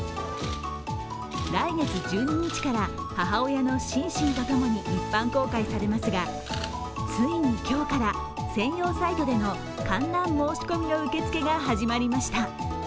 来月１２日から母親のシンシンとともに一般公開されますが、ついに今日から専用サイトでの観覧申し込みの受け付けが始まりました。